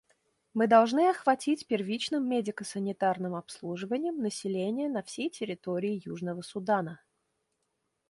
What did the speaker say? Мы должны охватить первичным медико-санитарным обслуживанием население на всей территории Южного Судана.